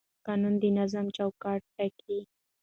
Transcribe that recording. قانون د نظم چوکاټ ټاکي